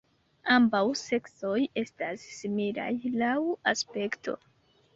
Ambaŭ seksoj estas similaj laŭ aspekto.